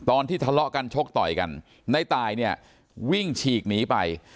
ตอนที่ทะเลาะกันชกต่อยกันในตายเนี่ยวิ่งฉีกหนีไป